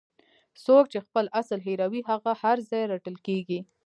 څوک چې خپل اصل هیروي هغه هر ځای رټل کیږي.